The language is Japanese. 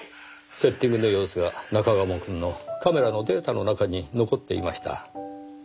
セッティングの様子が中鴨くんのカメラのデータの中に残っていました。